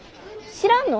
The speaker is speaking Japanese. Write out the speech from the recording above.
知らんの？